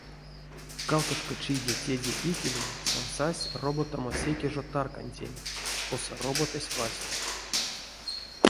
Кавтошка чиде теде икеле сон сась роботамо секе жо таркантень, косо роботась васня.